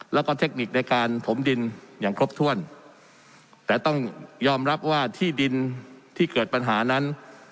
แล้วก็เทคนิคในการถมดินอย่างครบถ้วนแต่ต้องยอมรับว่าที่ดินที่เกิดปัญหานั้น